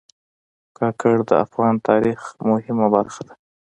کاکړ د افغان تاریخ مهمه برخه دي.